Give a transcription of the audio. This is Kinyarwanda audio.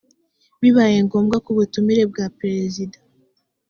bibaye ngombwa ku butumire bwa perezida